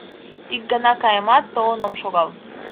Ик гана каемат, толын ом шогал!